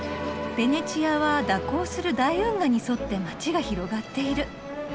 ベネチアは蛇行する大運河に沿って街が広がっている。